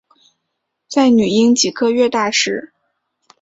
在女婴几个月大时